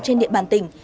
trên địa bàn tỉnh